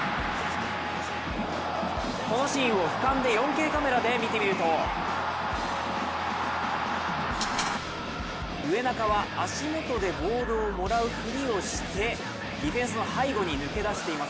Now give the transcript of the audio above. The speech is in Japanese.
このシーンを俯瞰で４ＫＣＡＭで見てみると植中は、足元でボールをもらう振りをして、ディフェンスの背後に抜け出しています